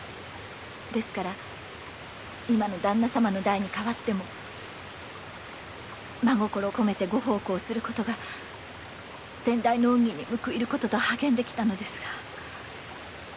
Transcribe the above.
ですから今の旦那様の代に替わっても真心を込めてご奉公することが先代の恩義に報いることと励んできましたが。